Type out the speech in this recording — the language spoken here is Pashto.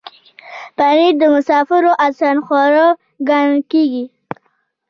پنېر د مسافرو آسان خواړه ګڼل کېږي.